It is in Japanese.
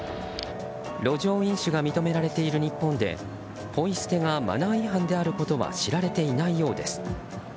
路上飲酒が認められている日本でポイ捨てがマナー違反であることは知られていないようです。